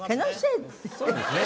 そうですね。